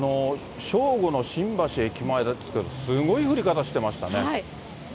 正午の新橋駅前ですけど、すごい降り方してましたね。